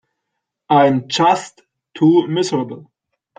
I'm just too miserable.